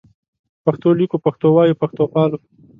پښتو لیکو پښتو وایو پښتو پالو